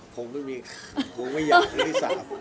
คงไม่มีอย่างที่๓